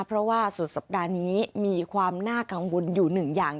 เพราะว่าสุดสัปดาห์นี้มีความน่ากังวลอยู่หนึ่งอย่าง